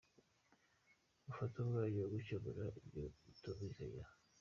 Mufate umwanya wo gukemura ibyo mutumvikanaho.